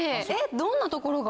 どんなところが？